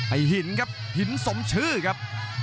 หินครับหินสมชื่อครับ